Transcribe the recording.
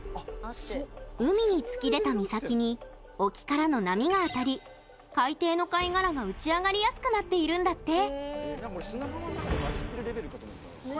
海に突き出た岬に沖からの波が当たり海底の貝殻が打ち上がりやすくなっているんだって。